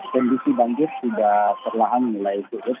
kondisi banjir sudah perlahan mulai surut